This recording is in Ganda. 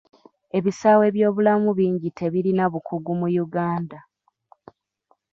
Ebisaawe byobulamu bingi tebirina bakugu mu Uganda.